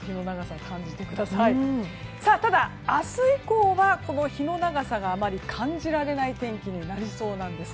ただ明日以降は、この日の長さがあまり感じられない天気になりそうなんです。